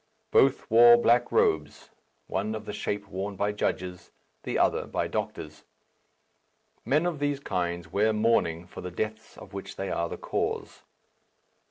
Both wore black robes one of the shape worn by judges, the other by doctors. Men of these kinds wear mourning for the deaths of which they are the cause.